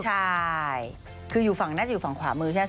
ใช่คืออยู่ฝั่งน่าจะอยู่ฝั่งขวามือใช่ไหม